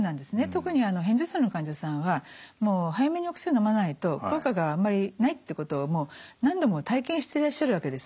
特に片頭痛の患者さんはもう早めにお薬のまないと効果があんまりないってことをもう何度も体験してらっしゃるわけですね。